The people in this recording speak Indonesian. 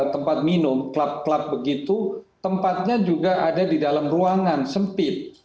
tempat minum klub klub begitu tempatnya juga ada di dalam ruangan sempit